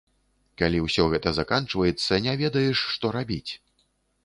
Калі ўсё гэта заканчваецца, не ведаеш, што рабіць.